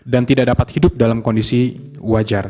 dan tidak dapat hidup dalam kondisi wajar